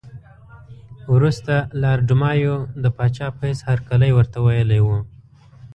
وروسته لارډ مایو د پاچا په حیث هرکلی ورته ویلی وو.